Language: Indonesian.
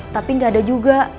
tapi nggak ada juga